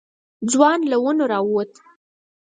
ځوان له ونو راووت.